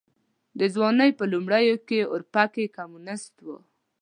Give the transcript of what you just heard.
د ځوانۍ په لومړيو کې اورپکی کمونيسټ و.